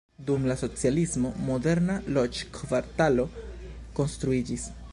Dum la socialismo moderna loĝkvartalo konstruiĝis.